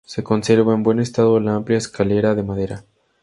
Se conserva en buen estado la amplia escalera de madera.